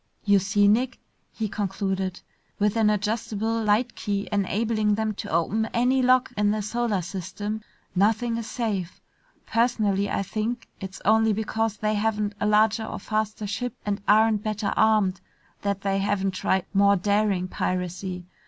"You see, Nick," he concluded, "with an adjustable light key enabling them to open any lock in the solar system, nothing is safe. Personally, I think it's only because they haven't a larger or faster ship and aren't better armed that they haven't tried more daring piracy.